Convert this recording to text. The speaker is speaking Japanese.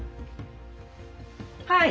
はい。